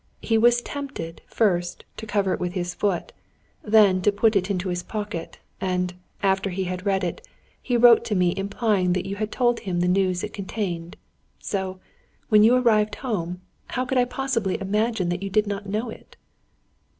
He was tempted, first, to cover it with his foot; then, to put it in his pocket; and, after he had read it, he wrote to me implying that you had told him the news it contained; so, when you arrived home, how could I possibly imagine that you did not know it?"